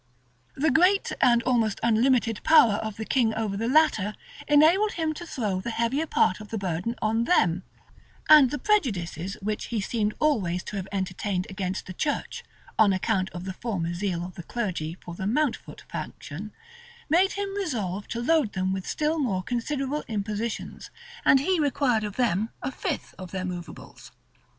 The great and almost unlimited power of the king over the latter, enabled him to throw the heavier part of the burden on them; and the prejudices which he seems always to have entertained against the church, on account of the former zeal of the clergy for the Mountfort faction, made him resolve to load them with still more considerable impositions, and he required of them a fifth of their movables.